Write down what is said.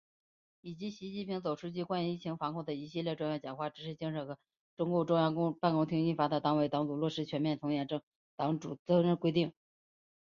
以及习近平总书记关于疫情防控的一系列重要讲话、指示精神和中共中央办公厅近日印发的《党委（党组）落实全面从严治党主体责任规定》